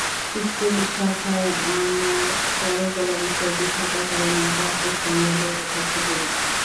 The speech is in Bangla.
স্কুল শাখায় আমার চারুকলা বিষয়টি থাকার কারণে আঁকাআঁকির সঙ্গে লেগে থাকতে পেরেছি।